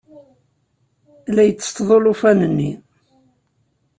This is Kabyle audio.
La itteṭṭeḍ ulufan-nni.